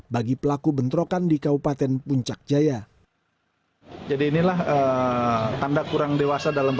bagi pelaku bentrokan di kabupaten puncak jaya